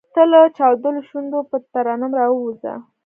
تۀ لۀ چاودلو شونډو پۀ ترنم راووځه !